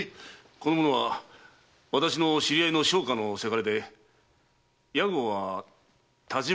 この者は私の知り合いの商家のせがれで屋号は「但馬屋」だったな？